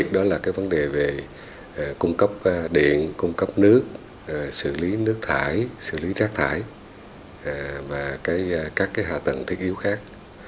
đó là vấn đề về cung cấp điện cung cấp nước xử lý nước thải xử lý rác thải và các hạ tầng thiết yếu khác